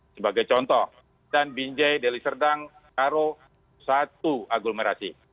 sebagai contoh dan binjai deliserdang karo satu aglomerasi